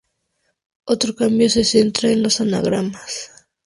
Otro cambio se centra en los anagramas.